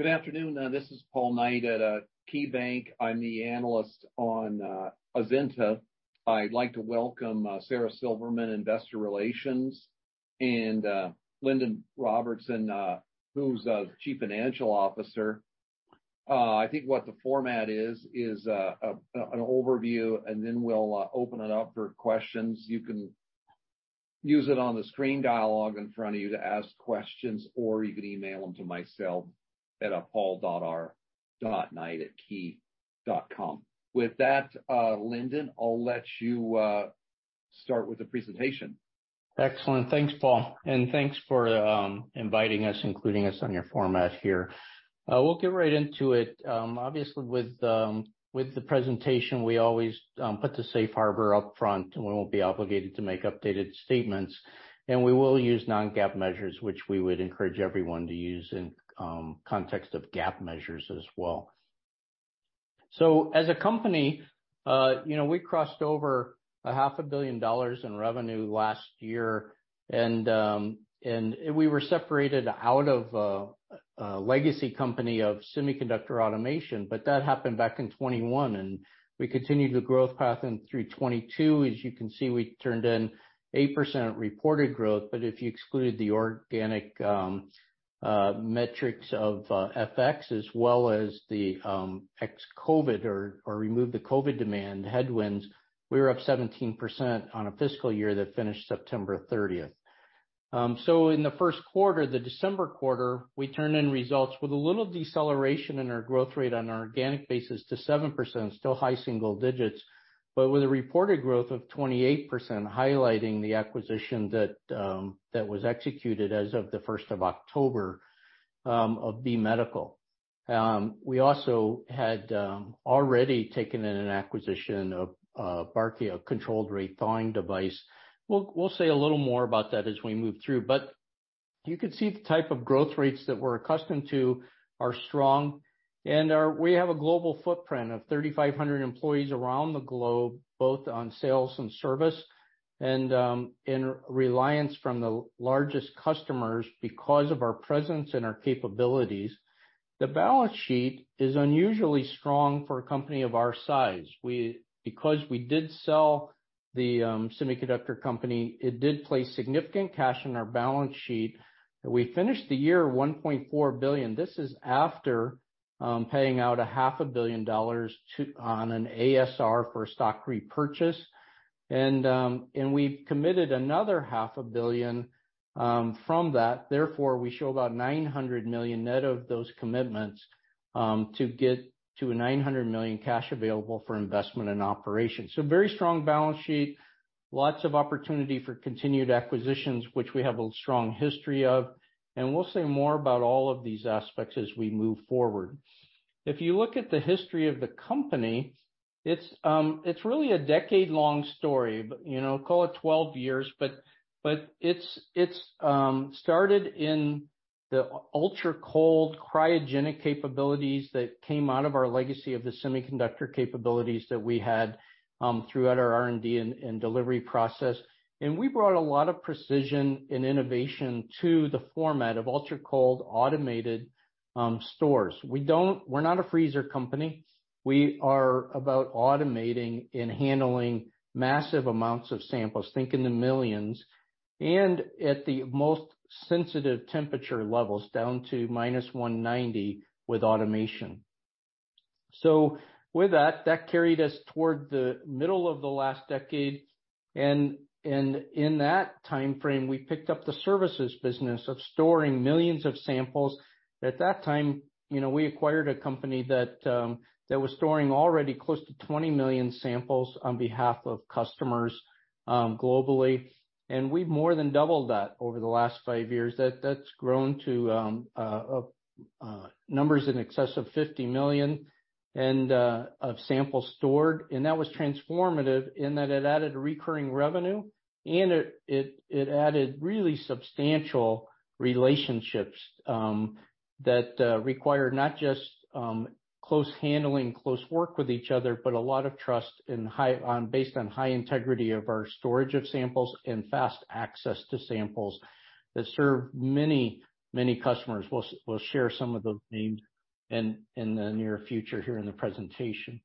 Good afternoon. This is Paul Knight at KeyBanc. I'm the analyst on Azenta. I'd like to welcome Sara Silverman, Investor Relations, and Lindon Robertson, who's Chief Financial Officer. I think what the format is an overview, and then we'll open it up for questions. You can use it on the screen dialog in front of you to ask questions, or you can email them to myself at paul.r.knight@key.com. With that, Lindon, I'll let you start with the presentation. Excellent. Thanks, Paul. Thanks for inviting us, including us on your format here. We'll get right into it. Obviously with the presentation, we always put the safe harbor up front, and we won't be obligated to make updated statements. We will use non-GAAP measures, which we would encourage everyone to use in context of GAAP measures as well. As a company, you know, we crossed over $0.5 billion in revenue last year. We were separated out of a legacy company of semiconductor automation. That happened back in 2021, and we continued the growth path in through 2022. As you can see, we turned in 8% reported growth. If you exclude the organic metrics of FX as well as the ex-COVID or remove the COVID demand headwinds, we were up 17% on a fiscal year that finished September 30th. In the 1st quarter, the December quarter, we turned in results with a little deceleration in our growth rate on an organic basis to 7%, still high single digits, but with a reported growth of 28%, highlighting the acquisition that was executed as of the 1st of October of B Medical. We also had already taken in an acquisition of Barkey, a controlled rate thawing device. We'll say a little more about that as we move through. You can see the type of growth rates that we're accustomed to are strong. We have a global footprint of 3,500 employees around the globe, both on sales and service and in reliance from the largest customers because of our presence and our capabilities. The balance sheet is unusually strong for a company of our size. Because we did sell the semiconductor company, it did place significant cash on our balance sheet. We finished the year $1.4 billion. This is after paying out a half a billion dollars on an ASR for stock repurchase. We've committed another half a billion from that. Therefore, we show about $900 million net of those commitments to get to a $900 million cash available for investment in operations. Very strong balance sheet, lots of opportunity for continued acquisitions, which we have a strong history of, and we'll say more about all of these aspects as we move forward. If you look at the history of the company, it's really a decade-long story. You know, call it 12 years. It's, it's started in the ultra-cold cryogenic capabilities that came out of our legacy of the semiconductor capabilities that we had throughout our R&D and delivery process. We brought a lot of precision and innovation to the format of ultra-cold automated stores. We're not a freezer company. We are about automating and handling massive amounts of samples, think in the millions, and at the most sensitive temperature levels, down to -190 with automation. With that carried us toward the middle of the last decade. In that timeframe, we picked up the services business of storing millions of samples. At that time, you know, we acquired a company that was storing already close to 20 million samples on behalf of customers globally. We've more than doubled that over the last five years. That's grown to numbers in excess of 50 million of samples stored. That was transformative in that it added recurring revenue, and it added really substantial relationships that require not just close handling, close work with each other, but a lot of trust based on high integrity of our storage of samples and fast access to samples that serve many customers. We'll share some of the names in the near future here in the presentation.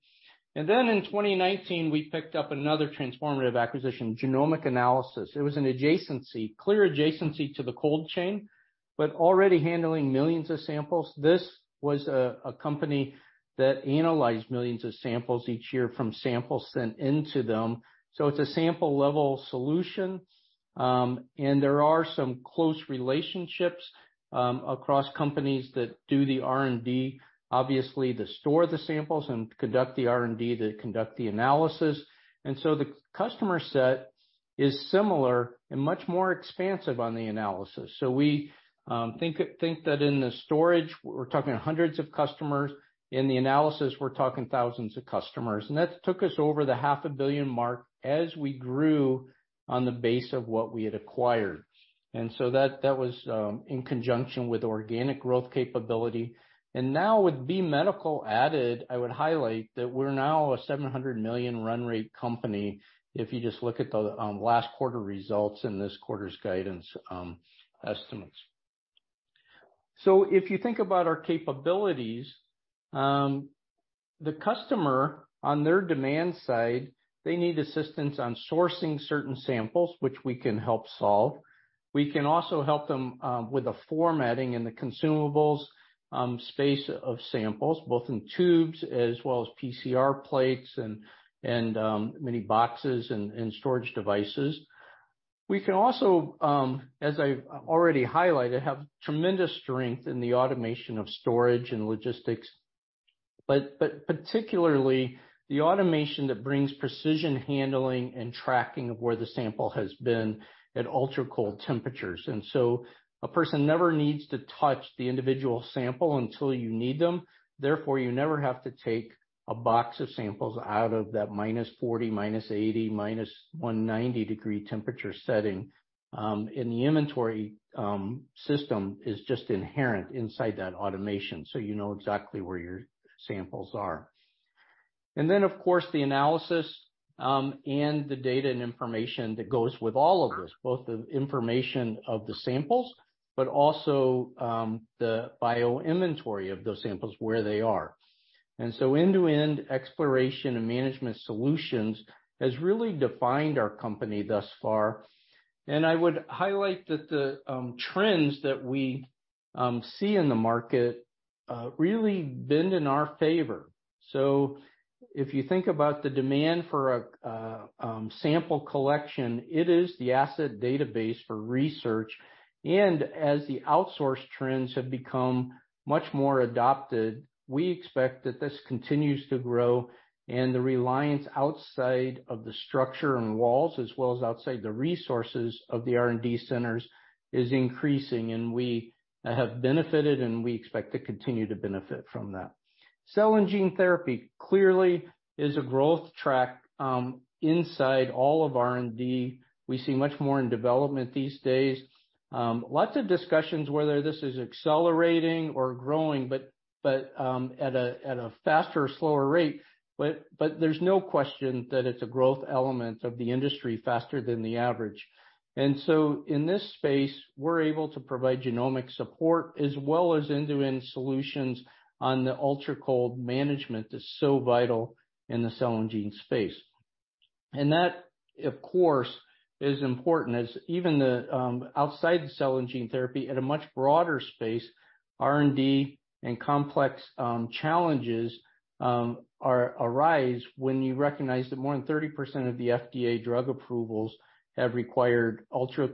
Then in 2019, we picked up another transformative acquisition, genomic analysis. It was an adjacency, clear adjacency to the cold chain, but already handling millions of samples. This was a company that analyzed millions of samples each year from samples sent into them. It's a sample-level solution. There are some close relationships across companies that do the R&D, obviously, to store the samples and conduct the R&D to conduct the analysis. The customer set is similar and much more expansive on the analysis. We think that in the storage, we're talking hundreds of customers. In the analysis, we're talking thousands of customers. That took us over the half a billion mark as we grew on the base of what we had acquired. That, that was in conjunction with organic growth capability. Now with B Medical added, I would highlight that we're now a $700 million run rate company, if you just look at the last quarter results and this quarter's guidance estimates. If you think about our capabilities, the customer on their demand side, they need assistance on sourcing certain samples, which we can help solve. We can also help them with the formatting and the consumables space of samples, both in tubes as well as PCR plates and many boxes and storage devices. We can also, as I've already highlighted, have tremendous strength in the automation of storage and logistics, but particularly the automation that brings precision handling and tracking of where the sample has been at ultracold temperatures. A person never needs to touch the individual sample until you need them. Therefore, you never have to take a box of samples out of that -40, -80, -190-degree temperature setting, and the inventory system is just inherent inside that automation, so you know exactly where your samples are. Of course, the analysis, and the data and information that goes with all of this, both the information of the samples, but also, the bio-inventory of those samples where they are. End-to-end exploration and management solutions has really defined our company thus far. I would highlight that the trends that we see in the market really bend in our favor. If you think about the demand for a sample collection, it is the asset database for research. As the outsource trends have become much more adopted, we expect that this continues to grow and the reliance outside of the structure and walls as well as outside the resources of the R&D centers is increasing, and we have benefited, and we expect to continue to benefit from that. Cell and gene therapy clearly is a growth track inside all of R&D. We see much more in development these days. Lots of discussions whether this is accelerating or growing, but at a faster or slower rate. There's no question that it's a growth element of the industry faster than the average. In this space, we're able to provide genomic support as well as end-to-end solutions on the ultracold management that's so vital in the cell and gene space. That, of course, is important as even the, outside the cell and gene therapy at a much broader space, R&D and complex challenges arise when you recognize that more than 30% of the FDA drug approvals have required ultra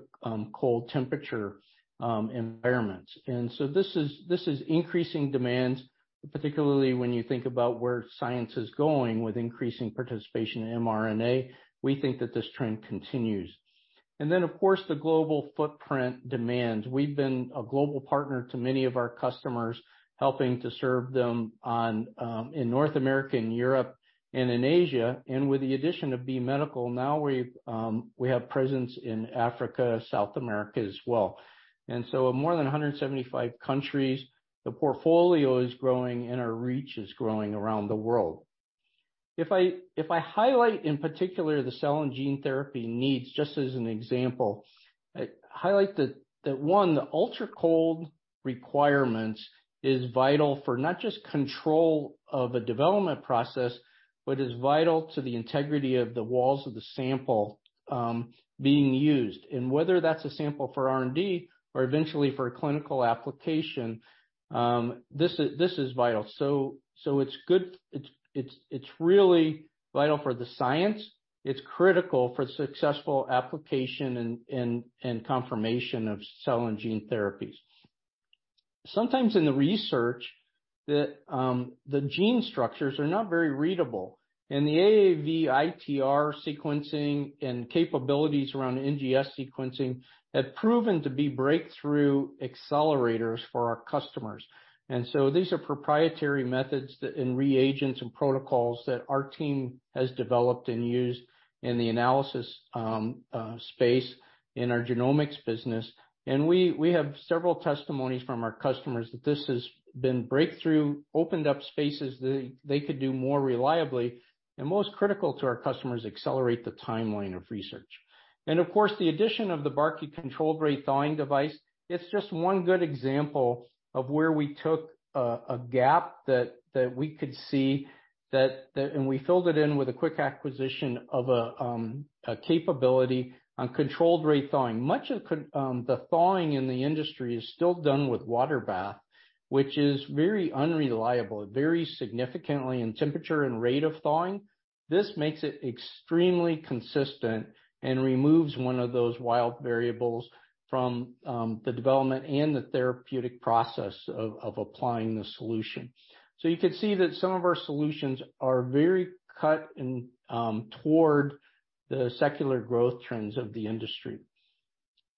cold temperature environments. This is increasing demands, particularly when you think about where science is going with increasing participation in mRNA. We think that this trend continues. Of course, the global footprint demands. We've been a global partner to many of our customers, helping to serve them on, in North America and Europe and in Asia. With the addition of B Medical, now we've, we have presence in Africa, South America as well. More than 175 countries, the portfolio is growing and our reach is growing around the world. If I highlight in particular the cell and gene therapy needs, just as an example, I highlight that one, the ultracold requirements is vital for not just control of a development process, but is vital to the integrity of the walls of the sample being used. Whether that's a sample for R&D or eventually for a clinical application, this is vital. It's really vital for the science. It's critical for successful application and confirmation of cell and gene therapies. Sometimes in the research that the gene structures are not very readable, the AAV ITR sequencing and capabilities around NGS sequencing have proven to be breakthrough accelerators for our customers. These are proprietary methods and reagents and protocols that our team has developed and used in the analysis space in our genomics business. We have several testimonies from our customers that this has been breakthrough, opened up spaces that they could do more reliably, and most critical to our customers, accelerate the timeline of research. Of course, the addition of the Barkey controlled rate thawing device, it's just one good example of where we took a gap that we could see and we filled it in with a quick acquisition of a capability on controlled rate thawing. Much of the thawing in the industry is still done with water bath, which is very unreliable. It varies significantly in temperature and rate of thawing. This makes it extremely consistent and removes one of those wild variables from the development and the therapeutic process of applying the solution. You can see that some of our solutions are very cut and toward the secular growth trends of the industry.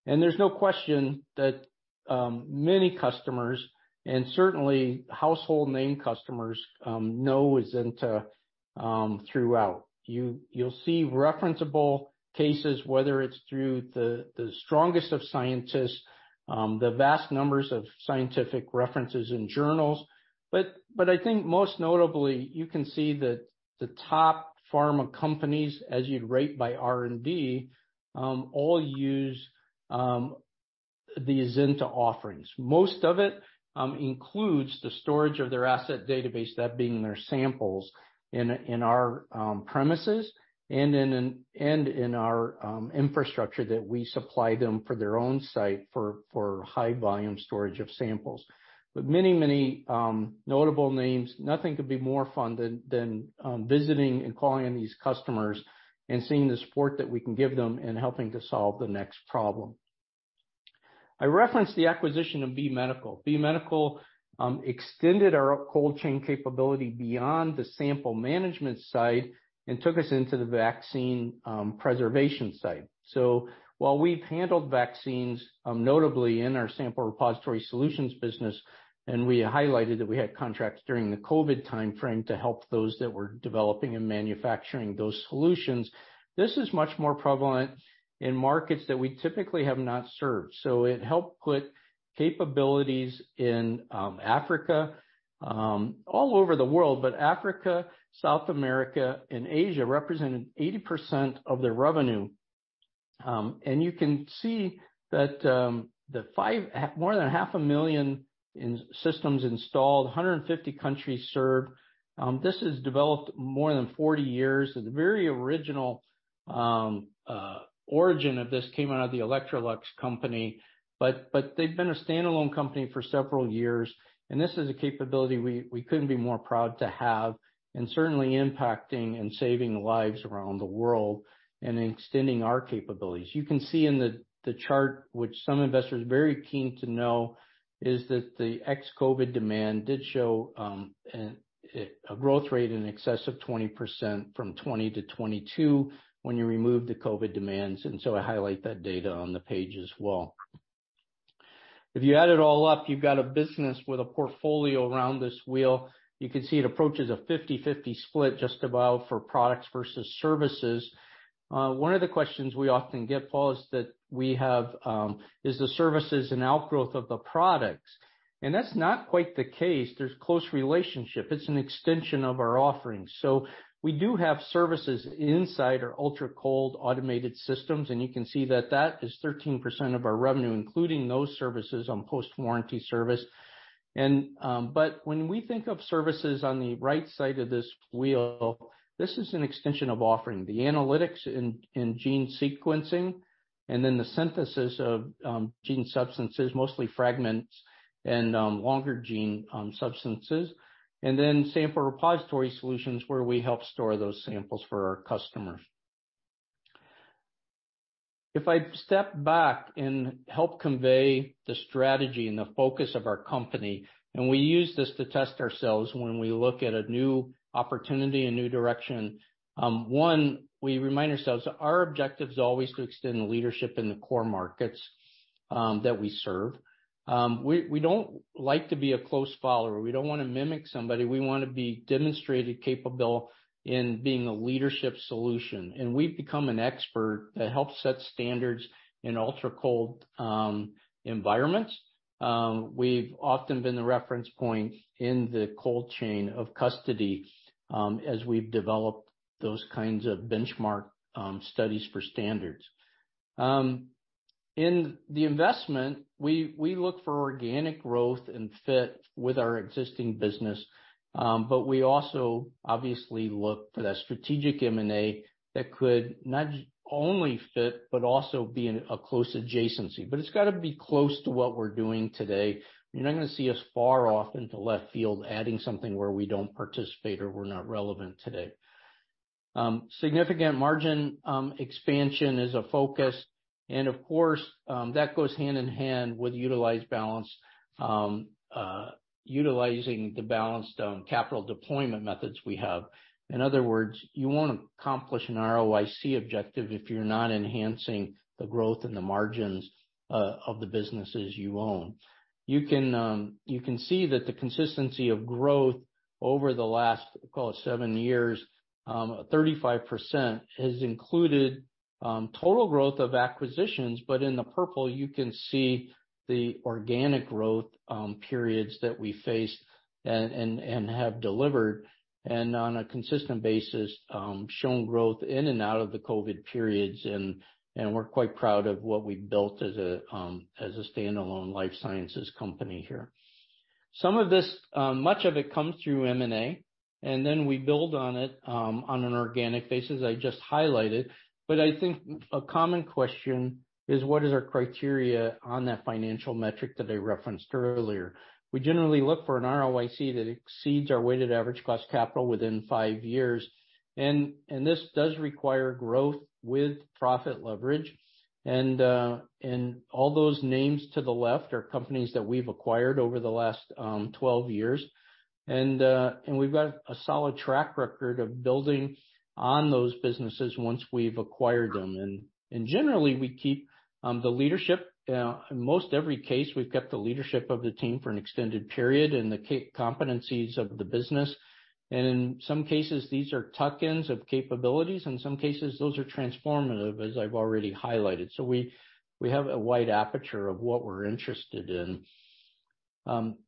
There's no question that many customers, and certainly household name customers, know Azenta throughout. You'll see referenceable cases, whether it's through the strongest of scientists, the vast numbers of scientific references in journals. I think most notably, you can see that the top pharma companies, as you'd rate by R&D, all use the Azenta offerings. Most of it includes the storage of their asset database, that being their samples in our premises and in our infrastructure that we supply them for their own site for high volume storage of samples. Many, many notable names, nothing could be more fun than visiting and calling on these customers and seeing the support that we can give them in helping to solve the next problem. I referenced the acquisition of B Medical. B Medical extended our cold chain capability beyond the sample management side and took us into the vaccine preservation side. While we've handled vaccines, notably in our sample repository solutions business, and we highlighted that we had contracts during the COVID timeframe to help those that were developing and manufacturing those solutions, this is much more prevalent in markets that we typically have not served. It helped put capabilities in Africa, all over the world, but Africa, South America and Asia represented 80% of their revenue. You can see that more than half a million in systems installed, 150 countries served. This has developed more than 40 years. At the very original origin of this came out of the Electrolux company. They've been a standalone company for several years, and this is a capability we couldn't be more proud to have and certainly impacting and saving lives around the world and extending our capabilities. You can see in the chart, which some investors are very keen to know, is that the ex-COVID demand did show a growth rate in excess of 20% from 2020 to 2022 when you remove the COVID demands. I highlight that data on the page as well. If you add it all up, you've got a business with a portfolio around this wheel. You can see it approaches a 50/50 split just about for products versus services. One of the questions we often get, Paul, is that we have, is the services an outgrowth of the products. That's not quite the case. There's close relationship. It's an extension of our offerings. We do have services inside our ultra-cold automated systems, and you can see that that is 13% of our revenue, including those services on post-warranty service. When we think of services on the right side of this wheel, this is an extension of offering. The analytics in gene sequencing, and then the synthesis of gene substances, mostly fragments and longer gene substances, and then sample repository solutions, where we help store those samples for our customers. If I step back and help convey the strategy and the focus of our company, and we use this to test ourselves when we look at a new opportunity, a new direction, one, we remind ourselves our objective is always to extend the leadership in the core markets that we serve. We don't like to be a close follower. We don't wanna mimic somebody. We wanna be demonstrated capable in being a leadership solution. We've become an expert that helps set standards in ultra-cold environments. We've often been the reference point in the cold chain of custody as we've developed those kinds of benchmark studies for standards. In the investment, we look for organic growth and fit with our existing business, but we also obviously look for that strategic M&A that could not only fit, but also be in a close adjacency. It's got to be close to what we're doing today. You're not gonna see us far off into left field adding something where we don't participate or we're not relevant today. Significant margin expansion is a focus. Of course, that goes hand in hand with utilized balance, utilizing the balanced capital deployment methods we have. In other words, you won't accomplish an ROIC objective if you're not enhancing the growth in the margins of the businesses you own. You can, you can see that the consistency of growth over the last, call it seven years, 35% has included total growth of acquisitions. But in the purple, you can see the organic growth periods that we faced and have delivered on a consistent basis, shown growth in and out of the COVID periods, and we're quite proud of what we've built as a standalone life sciences company here. Some of this, much of it comes through M&A, then we build on it, on an organic basis I just highlighted. I think a common question is what is our criteria on that financial metric that I referenced earlier. We generally look for an ROIC that exceeds our weighted average cost capital within five years. This does require growth with profit leverage. All those names to the left are companies that we've acquired over the last 12 years. We've got a solid track record of building on those businesses once we've acquired them. Generally, we keep the leadership. In most every case, we've kept the leadership of the team for an extended period and the competencies of the business. In some cases, these are tuck-ins of capabilities, and in some cases, those are transformative, as I've already highlighted. We have a wide aperture of what we're interested in.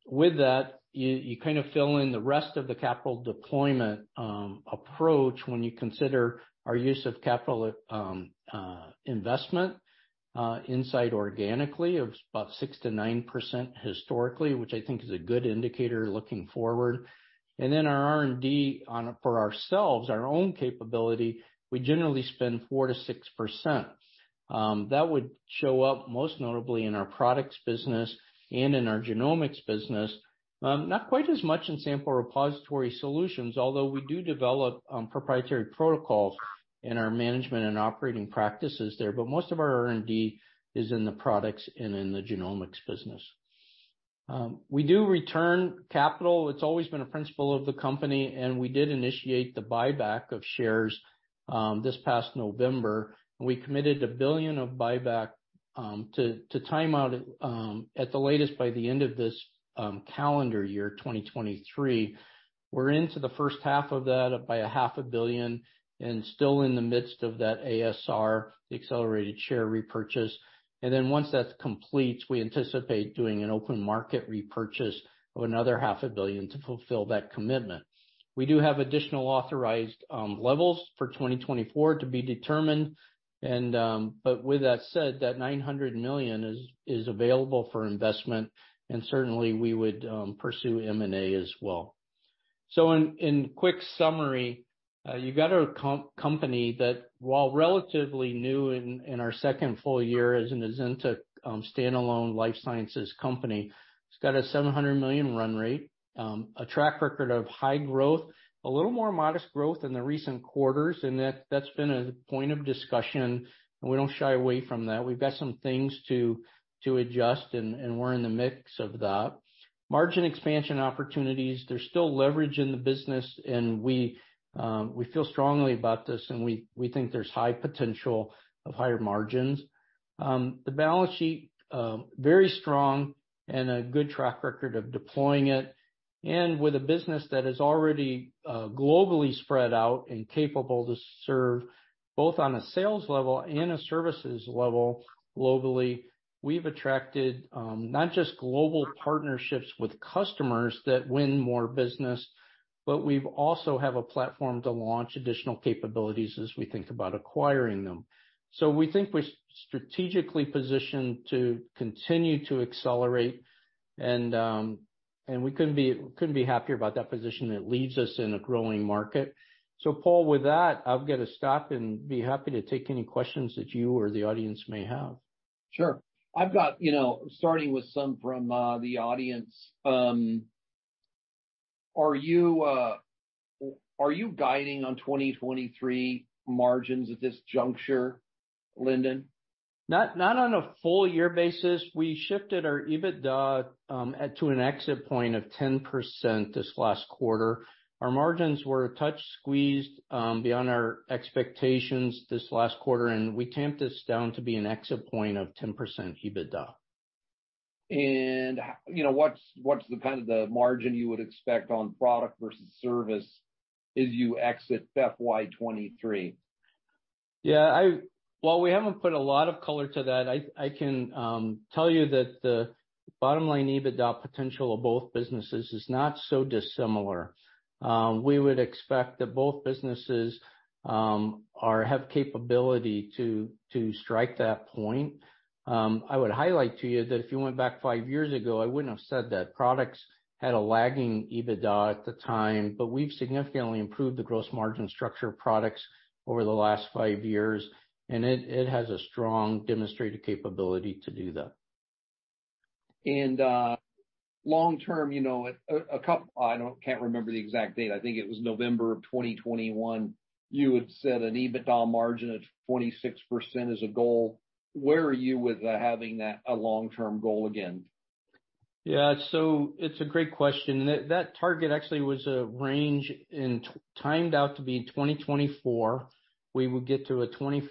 With that, you kind of fill in the rest of the capital deployment approach when you consider our use of capital investment inside organically of about 6%-9% historically, which I think is a good indicator looking forward. Our R&D for ourselves, our own capability, we generally spend 4%-6%. That would show up most notably in our products business and in our genomics business. Not quite as much in sample repository solutions, although we do develop proprietary protocols in our management and operating practices there. Most of our R&D is in the products and in the genomics business. We do return capital. It's always been a principle of the company, and we did initiate the buyback of shares this past November. We committed $1 billion of buyback to time out at the latest by the end of this calendar year, 2023. We're into the first half of that by a half a billion and still in the midst of that ASR, the accelerated share repurchase. Once that's complete, we anticipate doing an open market repurchase of another half a billion to fulfill that commitment. We do have additional authorized levels for 2024 to be determined, but with that said, that $900 million is available for investment, and certainly, we would pursue M&A as well. In quick summary, you got a company that while relatively new in our second full year as an Azenta standalone life sciences company, it's got a $700 million run rate, a track record of high growth. A little more modest growth in the recent quarters, that's been a point of discussion, we don't shy away from that. We've got some things to adjust, we're in the mix of that. Margin expansion opportunities. There's still leverage in the business, we feel strongly about this, we think there's high potential of higher margins. The balance sheet, very strong, a good track record of deploying it, with a business that is already globally spread out and capable to serve both on a sales level and a services level globally. We've attracted, not just global partnerships with customers that win more business, but we've also have a platform to launch additional capabilities as we think about acquiring them. We think we're strategically positioned to continue to accelerate, and we couldn't be happier about that position that leaves us in a growing market. Paul, with that, I've got to stop and be happy to take any questions that you or the audience may have. Sure. I've got, you know, starting with some from the audience. Are you guiding on 2023 margins at this juncture, Lindon? Not on a full year basis. We shifted our EBITDA to an exit point of 10% this last quarter. Our margins were a touch squeezed beyond our expectations this last quarter. We tamped this down to be an exit point of 10% EBITDA. You know, what's the kind of the margin you would expect on product versus service as you exit FY 2023? While we haven't put a lot of color to that, I can tell you that the bottom line EBITDA potential of both businesses is not so dissimilar. We would expect that both businesses have capability to strike that point. I would highlight to you that if you went back five years ago, I wouldn't have said that. Products had a lagging EBITDA at the time, but we've significantly improved the gross margin structure of Products over the last five years, and it has a strong demonstrated capability to do that. Long term, you know, I can't remember the exact date. I think it was November of 2021, you had set an EBITDA margin of 46% as a goal. Where are you with, having that a long-term goal again? It's a great question. That target actually was a range and timed out to be 2024. We would get to a 24%-26%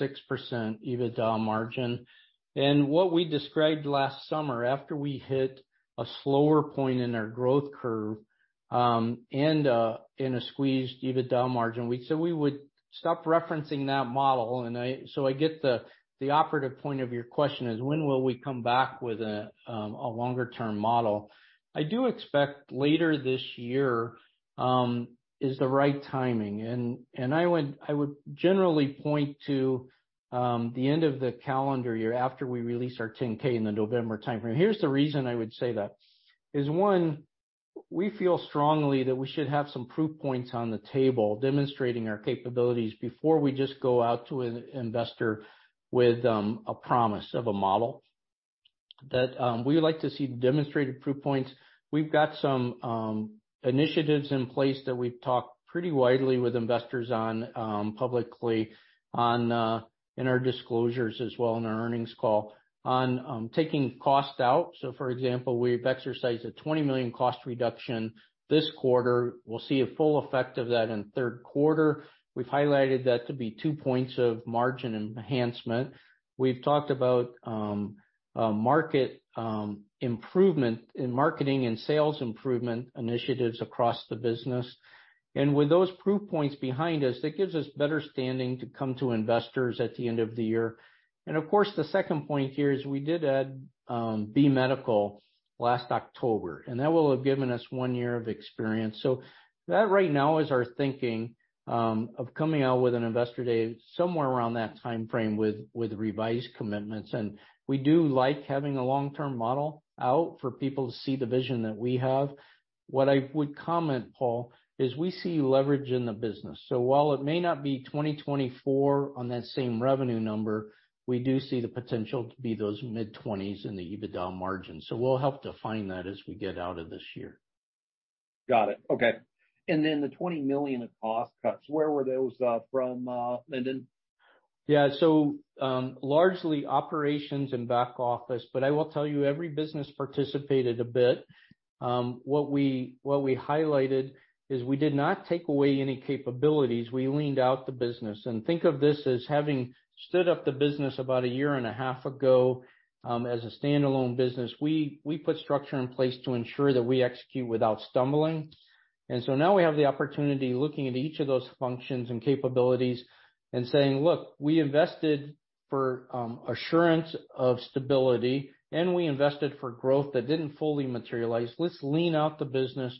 EBITDA margin. What we described last summer, after we hit a slower point in our growth curve, and in a squeezed EBITDA margin, we said we would stop referencing that model. I get the operative point of your question is, when will we come back with a longer-term model? I do expect later this year is the right timing. I would generally point to the end of the calendar year after we release our 10-K in the November timeframe. Here's the reason I would say that is, one, we feel strongly that we should have some proof points on the table demonstrating our capabilities before we just go out to an investor with a promise of a model. We would like to see demonstrated proof points. We've got some initiatives in place that we've talked pretty widely with investors on publicly on in our disclosures as well in our earnings call on taking costs out. For example, we've exercised a $20 million cost reduction this quarter. We'll see a full effect of that in third quarter. We've highlighted that to be two points of margin enhancement. We've talked about a market improvement in marketing and sales improvement initiatives across the business. With those proof points behind us, it gives us better standing to come to investors at the end of the year. The second point here is we did add B Medical last October, and that will have given us one year of experience. That right now is our thinking of coming out with an investor day somewhere around that timeframe with revised commitments. We do like having a long-term model out for people to see the vision that we have. What I would comment, Paul, is we see leverage in the business. While it may not be 2024 on that same revenue number, we do see the potential to be those mid-20s in the EBITDA margin. We'll help define that as we get out of this year. Got it. Okay. The $20 million of cost cuts, where were those from, Lindon? Largely operations and back office, I will tell you, every business participated a bit. What we highlighted is we did not take away any capabilities. We leaned out the business. Think of this as having stood up the business about a year and a half ago, as a standalone business. We put structure in place to ensure that we execute without stumbling. Now we have the opportunity, looking at each of those functions and capabilities and saying, "Look, we invested for assurance of stability, and we invested for growth that didn't fully materialize. Let's lean out the business."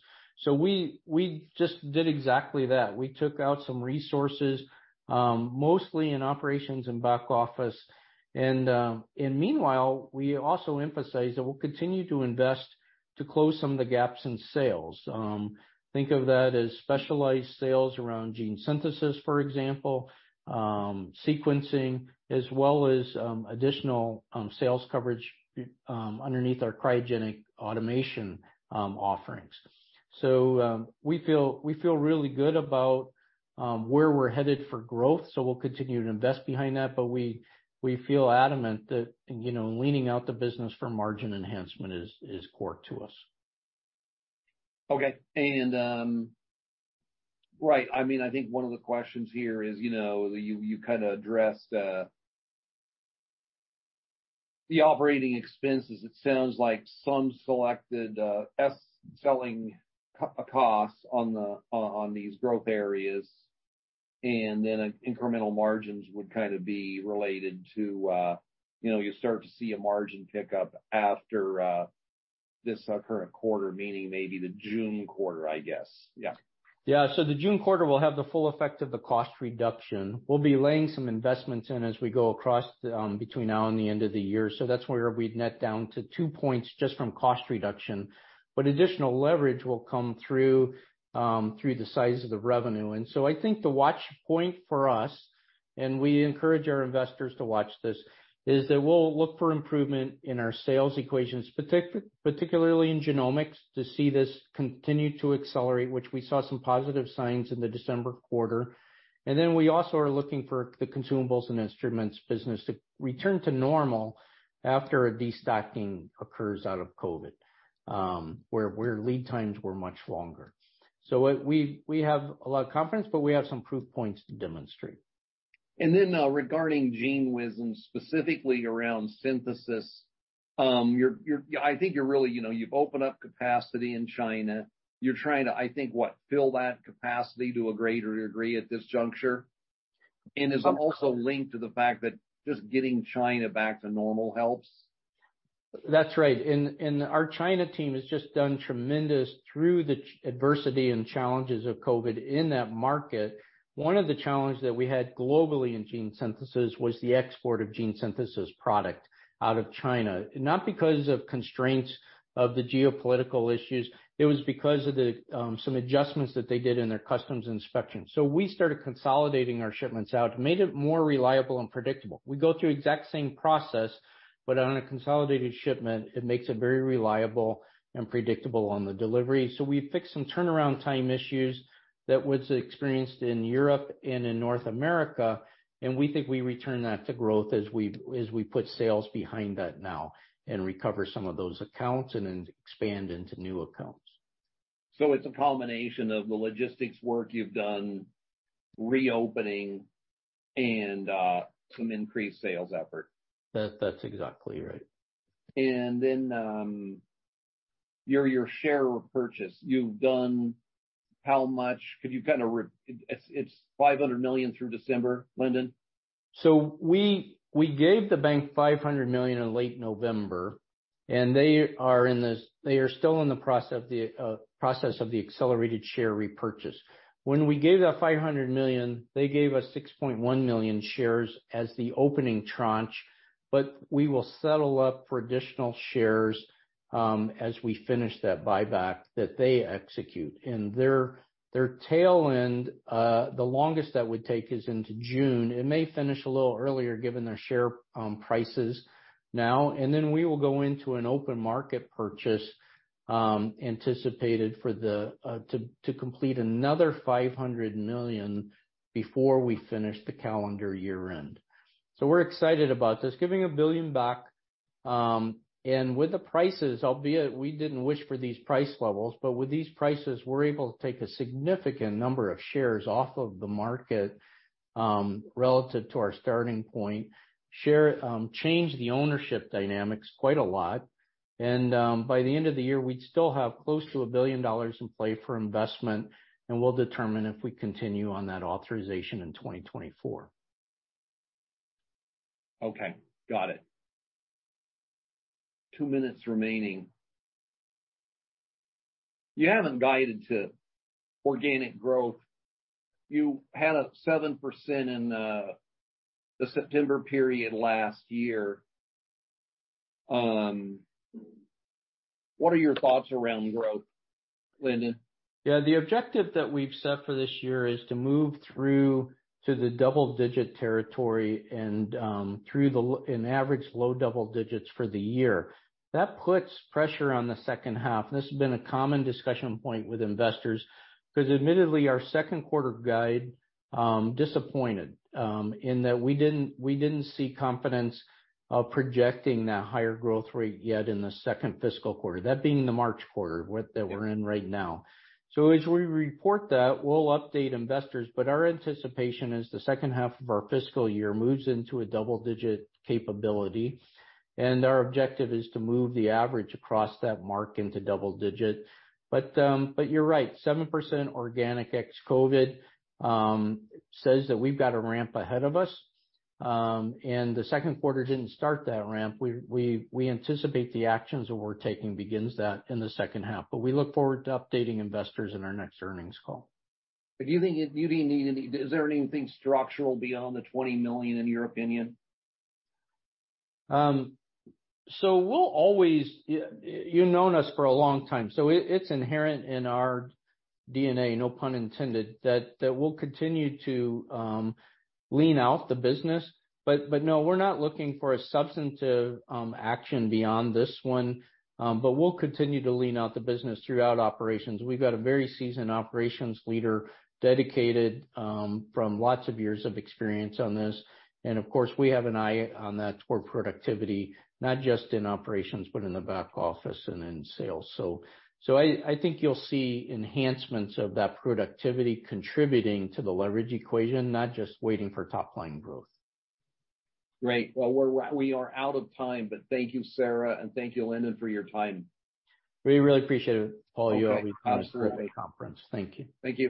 We just did exactly that. We took out some resources, mostly in operations and back office. Meanwhile, we also emphasized that we'll continue to invest to close some of the gaps in sales. Think of that as specialized sales around gene synthesis, for example, sequencing, as well as additional sales coverage underneath our cryogenic automation offerings. We feel really good about where we're headed for growth, so we'll continue to invest behind that. We feel adamant that, you know, leaning out the business for margin enhancement is core to us. Okay. Right, I mean, I think one of the questions here is, you know, you kind of addressed the operating expenses. It sounds like some selected selling costs on these growth areas. Then incremental margins would kind of be related to, you know, you start to see a margin pickup after this current quarter, meaning maybe the June quarter, I guess. Yeah. Yeah. The June quarter will have the full effect of the cost reduction. We'll be laying some investments in as we go across between now and the end of the year. That's where we'd net down to two points just from cost reduction. Additional leverage will come through through the size of the revenue. I think the watch point for us, and we encourage our investors to watch this, is that we'll look for improvement in our sales equations, particularly in genomics, to see this continue to accelerate, which we saw some positive signs in the December quarter. We also are looking for the consumables and instruments business to return to normal after a destocking occurs out of COVID, where lead times were much longer. What... We have a lot of confidence, but we have some proof points to demonstrate. Regarding GENEWIZ, specifically around gene synthesis, I think you're really, you know, you've opened up capacity in China. You're trying to, I think, what, fill that capacity to a greater degree at this juncture? Is it also linked to the fact that just getting China back to normal helps? That's right. Our China team has just done tremendous through the adversity and challenges of COVID in that market. One of the challenges that we had globally in gene synthesis was the export of gene synthesis product out of China, not because of constraints of the geopolitical issues. It was because of the some adjustments that they did in their customs inspection. We started consolidating our shipments out, made it more reliable and predictable. We go through exact same process, but on a consolidated shipment, it makes it very reliable and predictable on the delivery. We fixed some turnaround time issues that was experienced in Europe and in North America, and we think we return that to growth as we put sales behind that now and recover some of those accounts and then expand into new accounts. It's a combination of the logistics work you've done, reopening, and some increased sales effort. That's exactly right. Your share purchase. You've done how much? Could you kinda It's $500 million through December, Lindon? We gave the bank $500 million in late November, and they are still in the process of the accelerated share repurchase. When we gave that $500 million, they gave us 6.1 million shares as the opening tranche, but we will settle up for additional shares as we finish that buyback that they execute. Their tail end, the longest that would take us into June. It may finish a little earlier given their share prices now, and then we will go into an open market purchase anticipated for the to complete another $500 million before we finish the calendar year-end. We're excited about this, giving $1 billion back, and with the prices, albeit we didn't wish for these price levels, but with these prices, we're able to take a significant number of shares off of the market, relative to our starting point. Share changed the ownership dynamics quite a lot. By the end of the year, we'd still have close to $1 billion in play for investment, and we'll determine if we continue on that authorization in 2024. Okay. Got it. two minutes remaining. You haven't guided to organic growth. You had a 7% in the September period last year. What are your thoughts around growth, Lindon? Yeah. The objective that we've set for this year is to move through to the double digit territory and through the in average, low-double digits for the year. This has been a common discussion point with investors 'cause admittedly, our second quarter guide disappointed in that we didn't see confidence of projecting that higher growth rate yet in the second fiscal quarter, that being the March quarter that we're in right now. As we report that, we'll update investors, but our anticipation is the second half of our fiscal year moves into a double digit capability, and our objective is to move the average across that mark into double digit. You're right, 7% organic ex-COVID, says that we've got a ramp ahead of us. The second quarter didn't start that ramp. We anticipate the actions that we're taking begins that in the second half. We look forward to updating investors in our next earnings call. Do you think is there anything structural beyond the $20 million, in your opinion? We'll always you've known us for a long time, so it's inherent in our DNA, no pun intended, that we'll continue to lean out the business. No, we're not looking for a substantive action beyond this one, but we'll continue to lean out the business throughout operations. We've got a very seasoned operations leader dedicated from lots of years of experience on this. Of course, we have an eye on that toward productivity, not just in operations, but in the back office and in sales. I think you'll see enhancements of that productivity contributing to the leverage equation, not just waiting for top line growth. Great. Well, we're we are out of time, thank you, Sara, and thank you, Lindon, for your time. We really appreciate it, Paul. You always- Okay. Absolutely. Have a great conference. Thank you. Thank you.